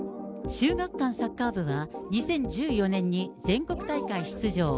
秀岳館サッカー部は、２０１４年に全国大会出場。